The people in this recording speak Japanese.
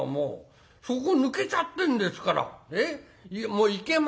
もう行けません」。